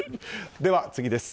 では次です。